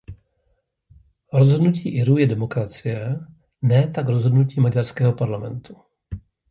Rozhodnutí Irů je demokracie, ne tak rozhodnutí maďarského parlamentu.